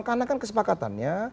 karena kan kesepakatannya